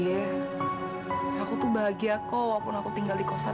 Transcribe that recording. aku tuh bahagia kok walaupun aku tinggal di kosan